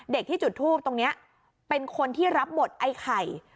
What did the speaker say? ที่จุดทูปตรงนี้เป็นคนที่รับบทไอ้ไข่